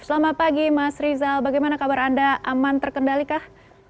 selamat pagi mas rizal bagaimana kabar anda aman terkendali kah